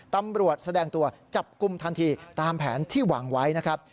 ตำรวจแสดงตัวจับกลุ่มทันทีตามแผนที่วางไว้นะครับ